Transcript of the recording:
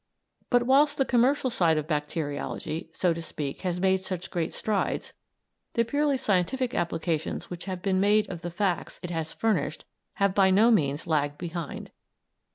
But whilst the commercial side of bacteriology, so to speak, has made such great strides, the purely scientific applications which have been made of the facts it has furnished have by no means lagged behind.